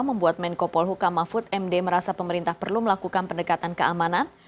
membuat menko polhuka mahfud md merasa pemerintah perlu melakukan pendekatan keamanan